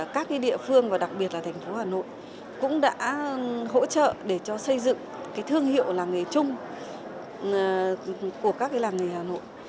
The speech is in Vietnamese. các địa phương và đặc biệt là thành phố hà nội cũng đã hỗ trợ để cho xây dựng cái thương hiệu làng nghề chung của các làng nghề hà nội